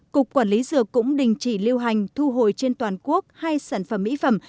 cục quản lý dược cũng đình chỉ lưu hành thu hồi trên toàn quốc hai sản phẩm mỹ phẩm